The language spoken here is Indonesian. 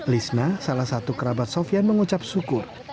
lisna salah satu kerabat sofian mengucap syukur